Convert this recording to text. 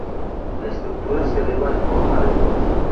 La estructura se eleva en forma de cruz.